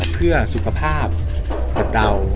เพื่อสุขภาพกับเรา